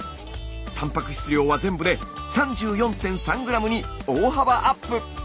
たんぱく質量は全部で３４．３ｇに大幅アップ。